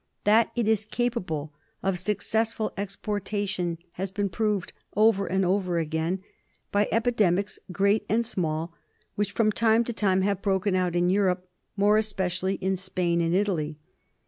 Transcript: That it is capable of successful exportation has been proved over and over again by epidemics great and small which from time to time have broken out in Europe, more especially in Spain and Italy.